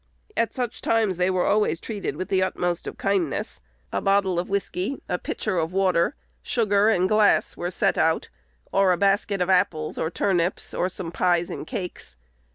At such times they were always treated with the utmost of kindness: a bottle of whiskey, a pitcher of water, sugar and glass, were set out, or a basket of apples, or turnips, or some pies and cakes.